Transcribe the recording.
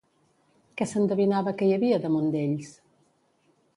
Què s'endevinava que hi havia damunt d'ells?